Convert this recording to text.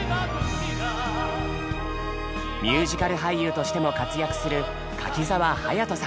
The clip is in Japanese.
ミュージカル俳優としても活躍する柿澤勇人さん。